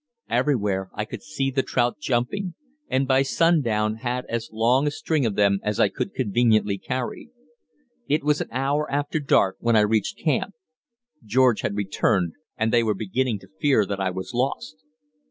Everywhere I could see the trout jumping, and by sundown had as long a string of them as I could conveniently carry. It was an hour after dark when I reached camp. George had returned, and they were beginning to fear that I was lost.